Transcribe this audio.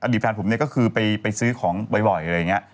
อดีตแฟนผมก็คือไปซื้อของบ่อยอะไรอย่างนี้